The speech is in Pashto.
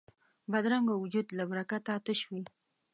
بدرنګه وجود له برکته تش وي